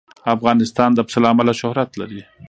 افغانستان د پسه له امله شهرت لري.